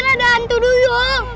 disana ada hantu duyung